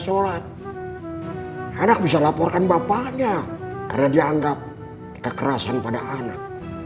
sholat anak bisa laporkan bapaknya karena dianggap kekerasan pada anak